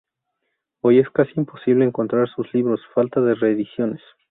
Hoy es casi imposible encontrar sus libros, falta de reediciones.